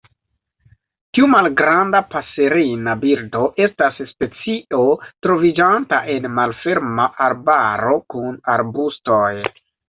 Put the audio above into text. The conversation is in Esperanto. Tiu malgranda paserina birdo estas specio troviĝanta en malferma arbaro kun arbustoj.